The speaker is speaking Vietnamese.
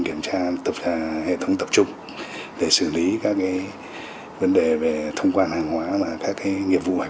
kiểm tra hệ thống tập trung để xử lý các cái vấn đề về thông quan hàng hóa và các cái nghiệp vụ hải